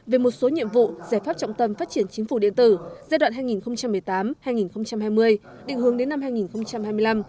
về một số nhiệm vụ giải pháp trọng tâm phát triển chính phủ điện tử giai đoạn hai nghìn một mươi tám hai nghìn hai mươi định hướng đến năm hai nghìn hai mươi năm